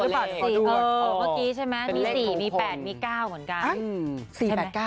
เมื่อกี้ใช่ไหมมี๔มี๘มี๙เหมือนกัน